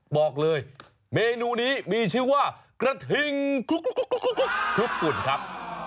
บอกเลยเมนูนี้มีชื่อว่ากระทิงคลุกคลุกฝุ่นครับ